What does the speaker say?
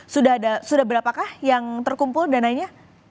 sudah berapakah yang terkumpul dananya